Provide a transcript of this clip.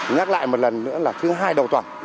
nhắc lại một lần nữa là thứ hai đầu tuần